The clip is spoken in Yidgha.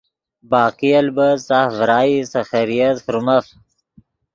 باقی البت ساف ڤرائی سے خیریت فرمف۔